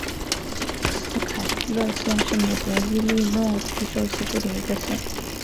斯凯勒县是美国伊利诺伊州西部的一个县。